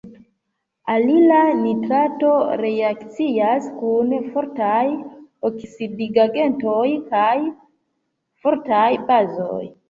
Alila nitrato reakcias kun fortaj oksidigagentoj kaj fortaj bazoj.